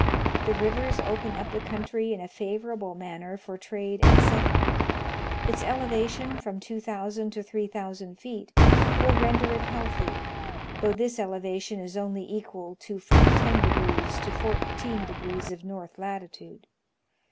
The rivers open up the country in a favorable manner for trade and settlement. Its elevation from 2,000 to 3,000 feet will render it healthy, though this elevation is only equal to from ten degrees to fourteen degrees of north latitude.